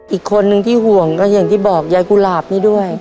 อีกคนนึงที่ห่วงก็อย่างที่บอกยายกุหลาบนี่ด้วย